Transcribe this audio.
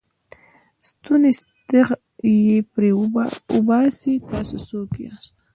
ستونی ستغ یې پرې وباسئ، تاسې څوک یاست؟